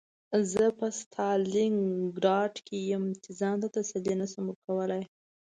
زه په ستالینګراډ کې یم چې ځان ته تسلي نشم ورکولی